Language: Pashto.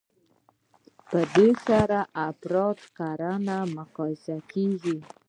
په دې سره د افرادو کړنې مقایسه کیږي.